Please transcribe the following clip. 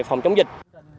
phòng chống dịch